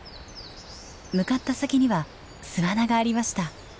向かった先には巣穴がありました。